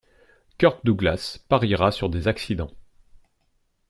Kirk Douglas pariera sur des accidents.